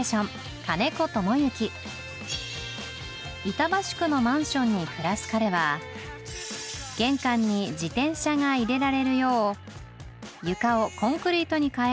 板橋区のマンションに暮らす彼は玄関に自転車が入れられるよう床をコンクリートにかえ